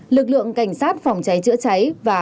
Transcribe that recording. lực lượng cảnh sát phòng cháy chữa cháy và